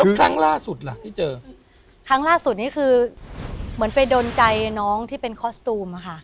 ครั้งล่าสุดล่ะที่เจอครั้งล่าสุดนี้คือเหมือนไปดนใจน้องที่เป็นคอสตูมอะค่ะ